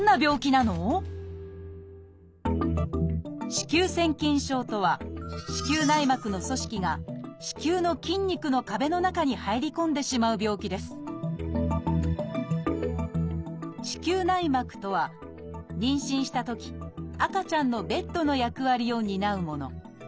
「子宮腺筋症」とは子宮内膜の組織が子宮の筋肉の壁の中に入り込んでしまう病気です子宮内膜とは妊娠したとき赤ちゃんのベッドの役割を担うもの。